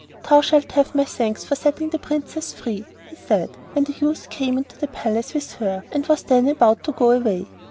'Thou shalt have my thanks for setting my Princess free,' he said, when the youth came into the palace with her, and was then about to go away.